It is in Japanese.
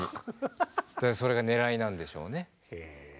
それがねらいなんでしょうね。